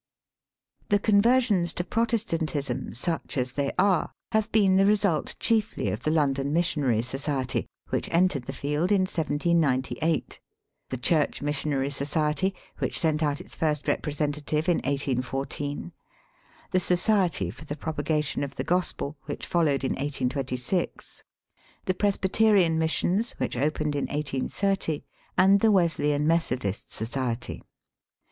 The conversions to Protestantism, such as they are, have been the result chiefly of the London Missionary Society, which entered the field in 1798 ; the Church Missionary Society, which sent out its first representative in 1814; the Society for the Propagation of the Gospel, which followed in 1826; the Presbyterian Missions, which opened in 1830 ; and the Wes leyan Methodist Society.